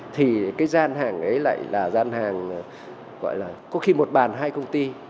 thì cái gian hàng ấy lại là gian hàng gọi là có khi một bàn hai công ty